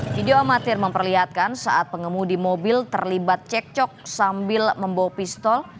video amatir memperlihatkan saat pengemudi mobil terlibat cek cok sambil membawa pistol